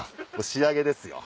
仕上げですよ。